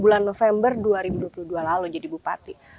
bulan november dua ribu dua puluh dua lalu jadi bupati